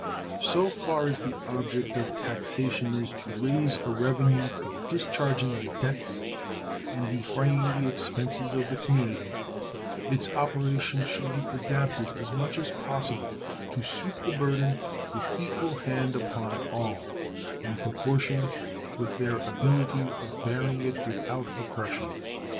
So far as the object of taxation is to raise a revenue for discharging the debts and defraying the expenses of the community, its operation should be adapted as much as possible to suit the burden with equal hand upon all in proportion with their ability of bearing it without oppression.